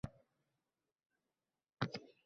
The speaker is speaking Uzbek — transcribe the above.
Toptab oʻtayotganlar ovozini…